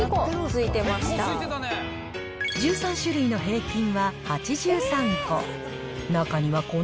１３種類の平均は８３個。